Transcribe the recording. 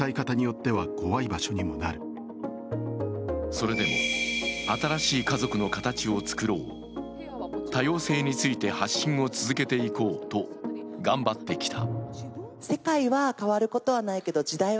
それでも、新しい家族の形をつくろう、多様性について発信を続けていこうと頑張ってきた。